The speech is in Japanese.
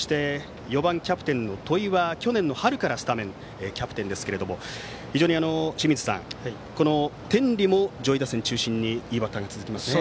４番でキャプテンの戸井は去年の春からスタメンでキャプテンですけれども非常に、天理も上位打線中心にいいバッターが続きますね。